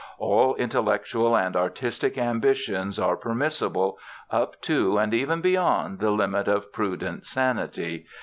All intellectual and artistic ambitions are permissible, up to and even beyond the limit of prudent sanity.